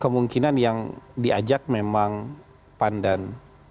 kemungkinan yang diajak memang pan dan p tiga